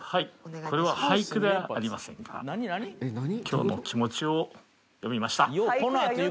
これは俳句ではありませんが、きょうの気持ちを詠みました。